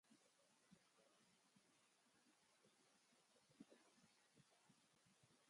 Garrantzi txikiko partida zen, beraz.